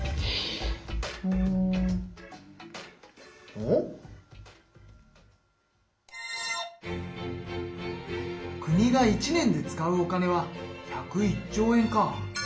おっ？国が一年で使うお金は１０１兆円か。